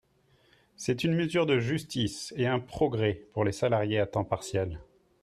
C’est une mesure de justice et un progrès pour les salariés à temps partiel.